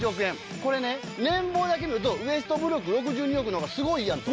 これね年俸だけ見るとウェストブルック６２億の方がスゴいやんと